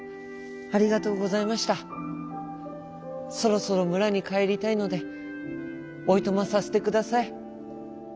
そろそろむらにかえりたいのでおいとまさせてください」。